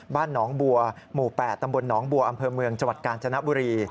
บ้านหนองบัวหมู่๘ตำรวจหนองบัวอำเภอเมืองกาญจนบุรี